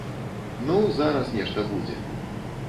Ну, зараз нешта будзе!